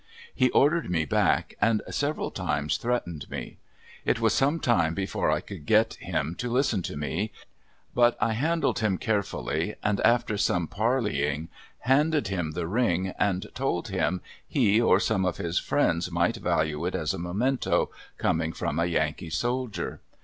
He ordered me back, and several times threatened me. It was some time before I could get him to listen to me, but I handled him carefully, and after some parleying handed him the ring and told him he or some of his friends might value it as a memento, coming from a Yankee soldier.